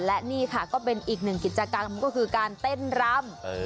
และนี่ค่ะก็เป็นอีกหนึ่งกิจกรรมก็คือการเต้นรำ